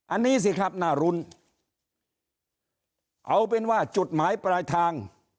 อันนี้สิครับน่ารุ้นเอาเป็นว่าจุดหมายปลายทาง